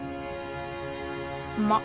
うまっ。